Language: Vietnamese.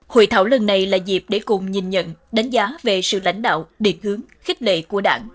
hội thảo lần này là dịp để cùng nhìn nhận đánh giá về sự lãnh đạo điện hướng khích lệ của đảng